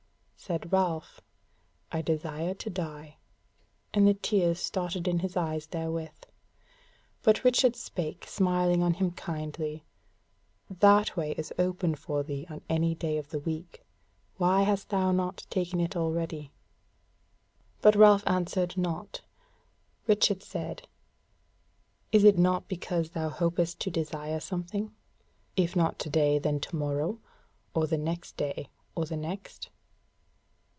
Said Ralph: "I desire to die." And the tears started in his eyes therewith. But Richard spake, smiling on him kindly: "That way is open for thee on any day of the week. Why hast thou not taken it already?" But Ralph answered naught. Richard said: "Is it not because thou hopest to desire something; if not to day, then to morrow, or the next day or the next?"